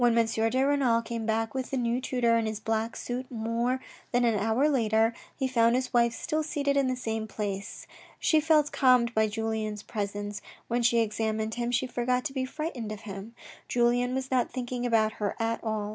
de Renal came back with the new tutor in his black suit more than an hour later, he found his wife still seated in the same place. She felt calmed by Julien's presence. When she examined him she forgot to be frightened of him. Julien was not thinking about her at all.